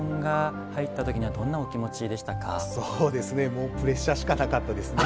もうプレッシャーしかなかったですね。